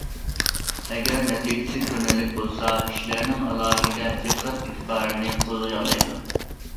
ئەگەر نەتىجىسى كۆرۈنەرلىك بولسا، كىشىلەرنىڭ ئالاھىدە دىققەت ئېتىبارىنى قوزغىيالايدۇ.